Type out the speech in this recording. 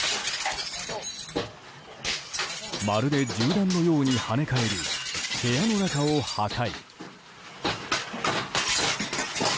まるで銃弾のように跳ね返り部屋の中を破壊。